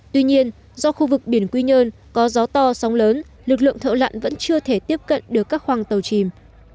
tuy nhiên do khu vực biển quy nhơn có gió to sóng lớn lực lượng thợ lặn vẫn chưa thể tiếp cận được các khoang tàu chìm